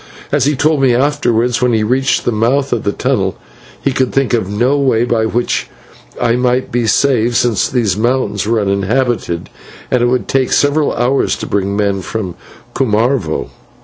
As he told me afterwards, when he reached the mouth of the tunnel, he could think of no way by which I might be saved, since these mountains were uninhabited, and it would take several hours to bring men from Cumarvo.